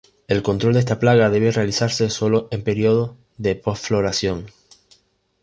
El control de esta plaga debe realizarse sólo en periodos de post-floración.